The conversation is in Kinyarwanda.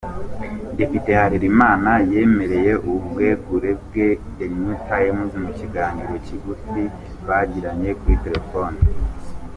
Depite Harelima yemereye ubwegure bwe The New Time mu kiganiro kigufi bagiranye kuri telefone.